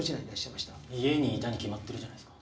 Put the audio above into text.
家にいたに決まってるじゃないですか。